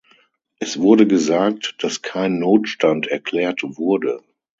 Es wurde gesagt, dass kein Notstand erklärt wurde.